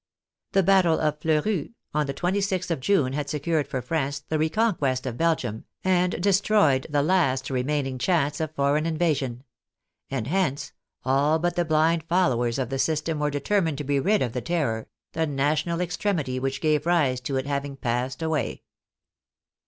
The battle of Fleurus on the 26th of June had secured for France the re conquest of Belgium, and destroyed the last remaining chance of foreign invasion ; and hence, all but the blind followers of the system were determined to be rid of the Terror, the national extremity which gave rise to it having passed away.